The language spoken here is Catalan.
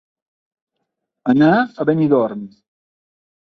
Anar a Benidorm.